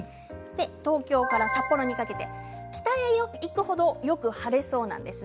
東京から札幌にかけて北へいく程よく晴れそうなんです。